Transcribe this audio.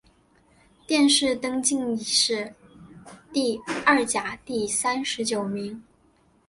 殿试登进士第二甲第三十九名。